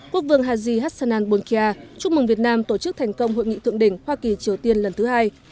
quốc vương haji hassanan bolkia chúc mừng việt nam tổ chức thành công hội nghị thượng đỉnh hoa kỳ triều tiên lần thứ hai